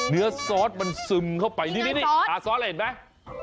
เนื้อซอสมันซึมเข้าไปนี่น้ำซอสเห็นไหม